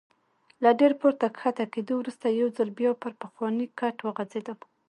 له ډېر پورته کښته کېدو وروسته یو ځل بیا پر پخواني کټ وغځېدم.